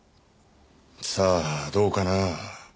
さあどうかな？